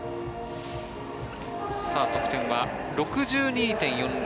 得点は６２．４０。